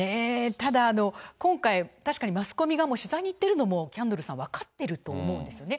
ただ今回、確かにマスコミがもう取材に行ってるのも、キャンドルさん、分かってると思うんですよね。